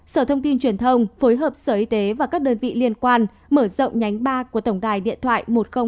sở thông tin truyền thông phối hợp sở y tế và các đơn vị liên quan mở rộng nhánh ba của tổng đài điện thoại một nghìn hai mươi hai